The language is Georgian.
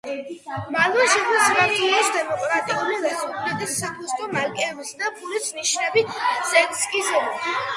მანვე შექმნა საქართველოს დემოკრატიული რესპუბლიკის საფოსტო მარკებისა და ფულის ნიშნების ესკიზები.